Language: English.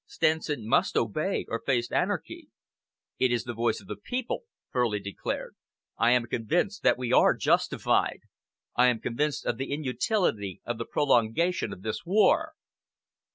Stenson must obey or face anarchy." "It is the voice of the people," Furley declared. "I am convinced that we are justified. I am convinced of the inutility of the prolongation of this war."